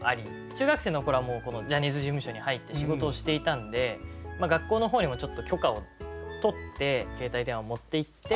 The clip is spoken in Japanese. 中学生の頃はもうジャニーズ事務所に入って仕事をしていたんで学校の方にも許可を取って携帯電話を持っていって。